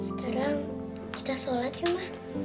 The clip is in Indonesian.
sekarang kita sholat yuk ma